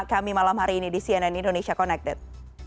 kami malam hari ini di cnn indonesia connected